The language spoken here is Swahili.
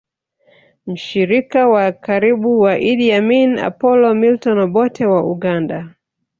Mshirika wa karibu wa Idi Amin Apolo Milton Obote wa Uganda